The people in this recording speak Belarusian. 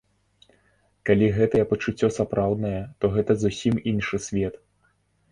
Калі гэтае пачуццё сапраўднае, то гэта зусім іншы свет.